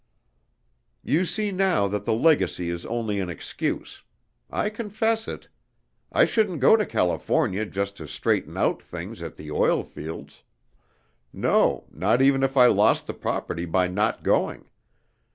"You see now that the legacy is only an excuse. I confess it. I shouldn't go to California just to straighten out things at the oil fields no, not even if I lost the property by not going.